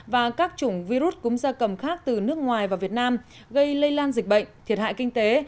và virus cúm da cầm khác từ nước ngoài và việt nam gây lây lan dịch bệnh thiệt hại kinh tế